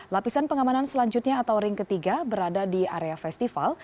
lapisan pengamanan selanjutnya atau ring ketiga berada di area festival